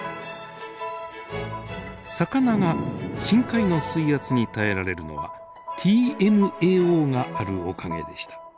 魚が深海の水圧に耐えられるのはＴＭＡＯがあるおかげでした。